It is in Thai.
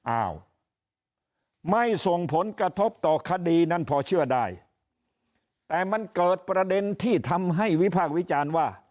อ้าวไม่ส่งผลกระทบต่อคดีนั้นพอเชื่อได้แต่มันเกิดประเด็นที่ทำให้วิพากษ์วิจารณ์ว่า